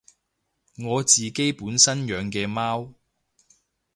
我自己本身養嘅貓